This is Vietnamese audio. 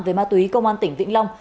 về ma túy công an tỉnh vĩnh long